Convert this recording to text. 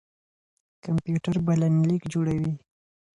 کمپيوټر بلنليک جوړوي.